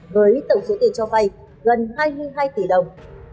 với tổng số tiền cho vay gần hai mươi hai tỷ đồng